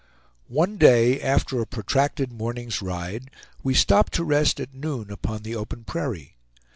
One day, after a protracted morning's ride, we stopped to rest at noon upon the open prairie.